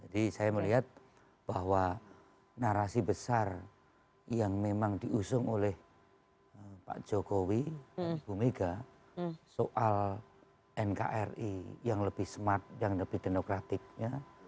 jadi saya melihat bahwa narasi besar yang memang diusung oleh pak jokowi dan pemiga soal nkri yang lebih smart yang lebih demokratiknya